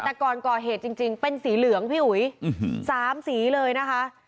แต่ก่อนก่อเหตุจริงจริงเป็นสีเหลืองพี่หุยอืมสามสีเลยนะคะ